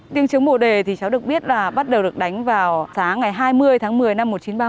tiếng chứng bộ đề thì cháu được biết là bắt đầu được đánh vào sáng ngày hai mươi tháng một mươi năm một nghìn chín trăm ba mươi